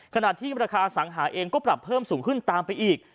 ขณะที่ราคาสังหาเองก็ปรับเพิ่มสูงขึ้นตามไปอีก